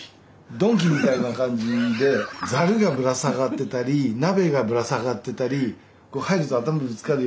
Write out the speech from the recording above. ドンキみたいな感じでザルがぶら下がってたり鍋がぶら下がってたりこう入ると頭ぶつかるような感じの。